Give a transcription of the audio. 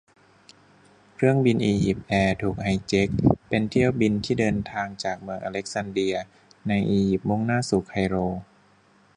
เครื่องบินอียิปต์แอร์ถูกไฮแจ็ค เป็นเที่ยวบินที่เดินทางจากเมืองอเล็กซานเดียในอียิปต์มุ่งหน้าสู่ไคโร